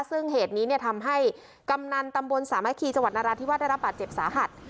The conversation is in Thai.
ซึ่งเหตุนี้เนี่ยทำให้กำนันตำบลสามะคีจังหวัดนราธิวาสได้รับบาดเจ็บสาหัส